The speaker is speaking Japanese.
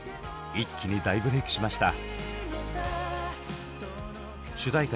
一気に大ブレークしました。